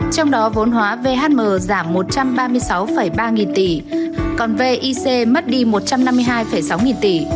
trong đó vốn hóa vhm giảm một trăm ba mươi sáu ba nghìn tỷ còn vic mất đi một trăm năm mươi hai sáu nghìn tỷ